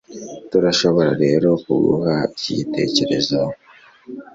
Turashobora rero kuguha iki gitekerezo